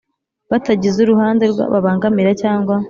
batagize uruhande babangamira cyangwa